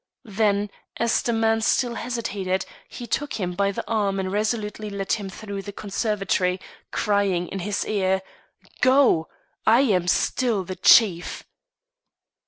Then, as the man still hesitated, he took him by the arm and resolutely led him through the conservatory, crying in his ear, "Go. I am still the chief."